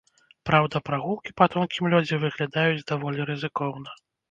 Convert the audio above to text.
Праўда, прагулкі па тонкім лёдзе выглядаюць даволі рызыкоўна.